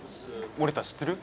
守田知ってる？